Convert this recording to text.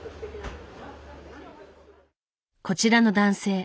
こちらの男性